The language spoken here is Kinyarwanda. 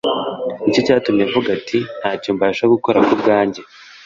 nicyo cyatumye avuga ati: “Ntacyo mbasha gukora ku bwanjye”.